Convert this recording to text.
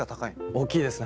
大きいですね